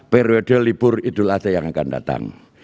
periode libur idul adha yang akan datang